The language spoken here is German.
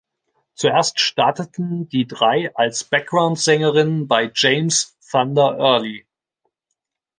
Zuerst starten die drei als Backgroundsängerinnen bei James „Thunder“ Early.